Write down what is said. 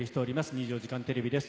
『２４時間テレビ』です。